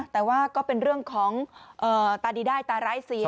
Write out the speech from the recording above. แต่ว่าก็เป็นเรื่องของตาดีได้ตาร้ายเสีย